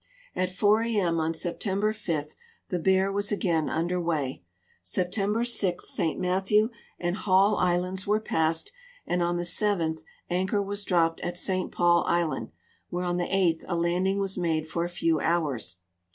At 4 a. m. on September 5 tlie Bear was again under way. September 6 St. Matthew and Hall islands were }>assed, and on the 7th anclior was droi>ped at St. Paul island, where on the 8th a landing was made for a few hours.